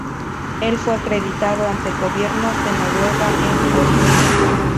El fue acreditado ante el gobierno de Noruega en Oslo.